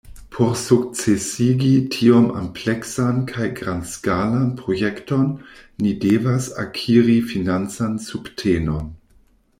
Por sukcesigi tiom ampleksan kaj grandskalan projekton, ni devas akiri financan subtenon.